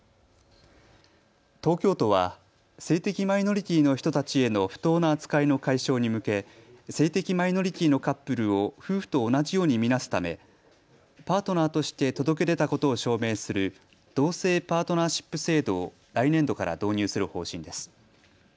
東京都は性的マイノリティーの人たちへの不当な扱いの解消に向け性的マイノリティーのカップルを夫婦と同じように見なすためパートナーとして届け出たことを証明する同性パートナーシップ制度を来年度から導入する方針です。